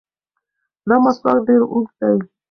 دا مسواک ډېر اوږد دی.